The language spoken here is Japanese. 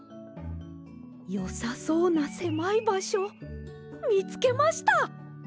よさそうなせまいばしょみつけました！